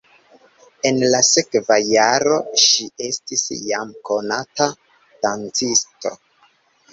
En la sekva jaro ŝi estis jam konata dancisto.